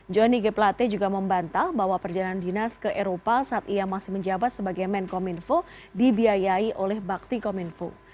johnny g plate juga membantah bahwa perjalanan dinas ke eropa saat ia masih menjabat sebagai menkominfo dibiayai oleh bakti kominfo